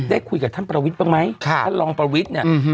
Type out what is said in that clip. คุยกับท่านประวิทย์บ้างไหมท่านรองประวิทย์เนี่ย